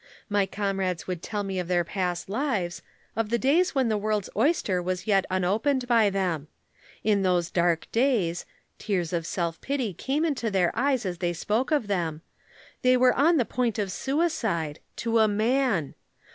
My comrades would tell me of their past lives, of the days when the world's oyster was yet unopened by them. In those dark days (tears of self pity came into their eyes as they spoke of them) they were on the point of suicide to a man.